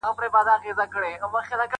چي هر مړی ښخېدی همدا کیسه وه؛